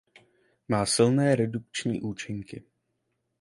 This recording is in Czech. Má silné redukční účinky.